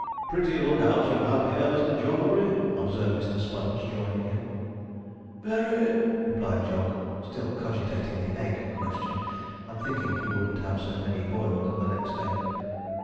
'Pretty look out you have here, Mr. Jogglebury,' observed Mr. Sponge, joining him. 'Very,' replied Jog, still cogitating the egg question, and thinking he wouldn't have so many boiled the next day.